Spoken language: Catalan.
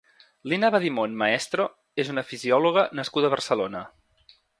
Lina Badimon Maestro és una fisiòloga nascuda a Barcelona.